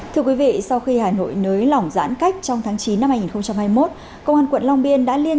thưa quý vị sau khi hà nội nới lỏng giãn cách trong tháng chín năm hai nghìn hai mươi một công an quận long biên đã liên